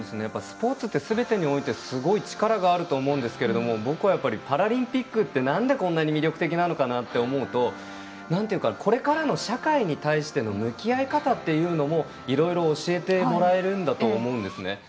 スポーツってすべてにおいてすごい力があると思うんですが僕はやっぱりパラリンピックってなんでこんなに魅力的なのかと思うとこれからの社会に対しての向き合い方というのもいろいろ教えてもらえるんだと思うんですね。